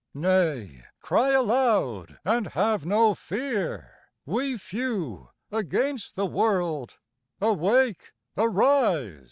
Nay, cry aloud, and have no fear, We few against the world; Awake, arise!